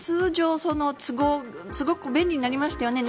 通常、すごく便利になりましたよね。